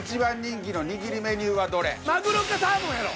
まぐろかサーモンやろ。